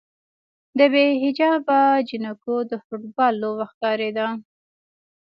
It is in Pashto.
د بې حجابه نجونو د فوټبال لوبه ښکارېده.